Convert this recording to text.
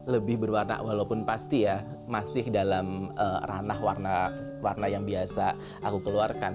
lebih berwarna walaupun pasti ya masih dalam ranah warna yang biasa aku keluarkan